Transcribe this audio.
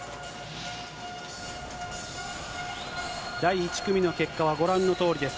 第１組の結果はご覧のとおりです。